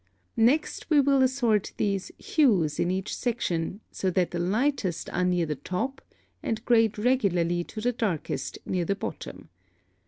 Next we will assort these HUES in each section so that the lightest are near the top, and grade regularly to the darkest near the bottom.